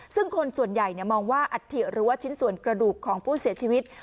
ซึ่งคนส่วนใหญ่มองว่าอัฐิหรือว่าชิ้นส่วนกระดูกของผู้เสียชีวิต